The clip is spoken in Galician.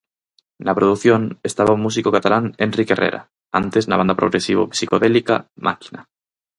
Na produción estaba o músico catalán Enric Herrera, antes na banda progresivo psicodélica Máquina.